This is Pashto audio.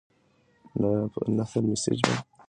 نثر مسجع په نظم کې هم ردیف لري.